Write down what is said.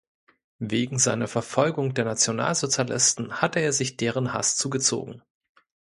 Wegen seiner Verfolgung der Nationalsozialisten hatte er sich deren Hass zugezogen.